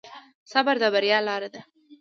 صبر د بریا لاره ده.